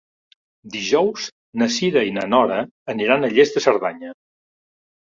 Dijous na Cira i na Nora aniran a Lles de Cerdanya.